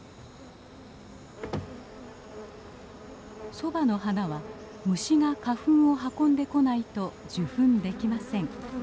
ソバの花は虫が花粉を運んでこないと受粉できません。